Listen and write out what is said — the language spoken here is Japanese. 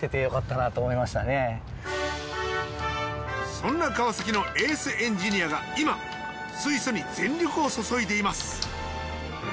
そんなカワサキのエースエンジニアが今水素に全力を注いでいます。